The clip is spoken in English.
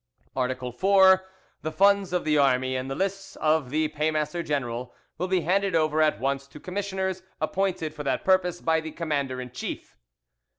"Art. 4. The funds of the army and the lists of the paymaster general will be handed over at once to commissioners appointed for that purpose by the commander in chief.